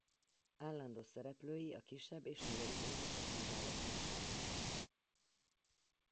Állandó szereplői a kisebb és nagyobb zenei fesztiváloknak.